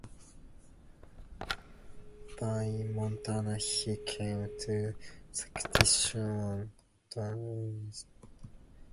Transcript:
Born in Montana, he came to Saskatchewan at an early age.